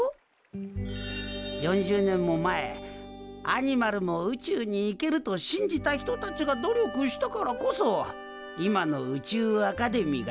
４０年も前アニマルも宇宙に行けると信じた人たちが努力したからこそ今の宇宙アカデミーが出来たんじゃ。